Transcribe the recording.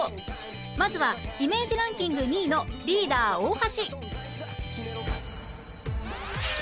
まずはイメージランキング２位のリーダー大橋